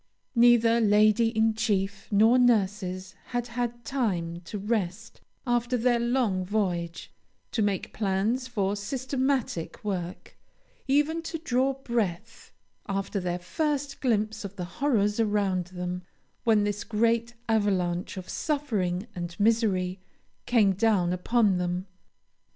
Neither Lady in Chief nor nurses had had time to rest after their long voyage, to make plans for systematic work, even to draw breath after their first glimpse of the horrors around them, when this great avalanche of suffering and misery came down upon them.